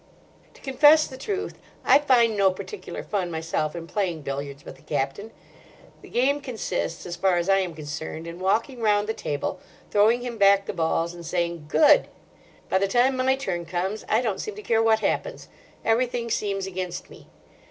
To confess the truth, I find no particular fun myself in playing billiards with the Captain. The game consists, as far as I am concerned, in walking round the table, throwing him back the balls, and saying "Good!" By the time my turn comes I don't seem to care what happens: everything seems against me.